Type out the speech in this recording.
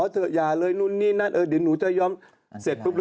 เดี๋ยวจะบอกให้ฟังดูว่าใคร